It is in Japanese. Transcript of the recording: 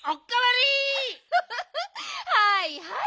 はいはい。